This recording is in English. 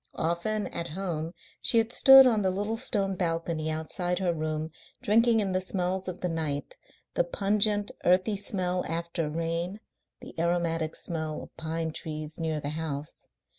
Often at home she had stood on the little stone balcony outside her room, drinking in the smells of the night the pungent, earthy smell after rain, the aromatic smell of pine trees near the house.